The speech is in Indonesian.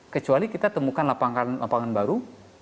kecuali kita temukan lapangan baru